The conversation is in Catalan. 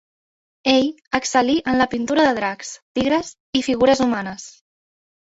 Ell excel·lí en la pintura de dracs, tigres i figures humanes.